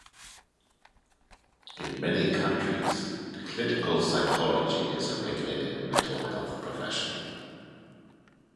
In many countries, clinical psychology is a regulated mental health profession.